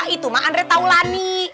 itu mah andre taulani